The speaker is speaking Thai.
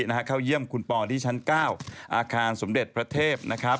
พาน้องมะลิเข้าเยี่ยมคุณปอล์ที่ชั้น๙อาคารสมเด็จพระเทพฯ